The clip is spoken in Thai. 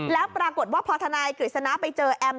แล้วปรากฏว่าพอทนายกฤษณะไปเจอแอม